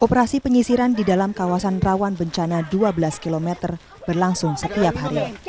operasi penyisiran di dalam kawasan rawan bencana dua belas km berlangsung setiap hari